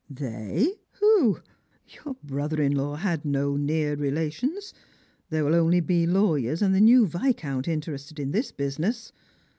''They! Who? Your brother in law had no near relation i. There will only be lawyers and the new Viscount interested in this business.